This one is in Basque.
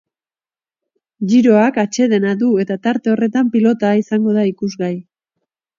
Giroak atsedena du eta tarte horretan pilota izango da ikusgai.